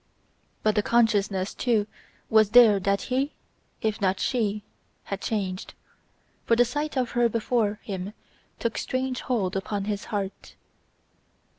But the consciousness too was there that he, if not she, had changed, for the sight of her before him took strange hold upon his heart.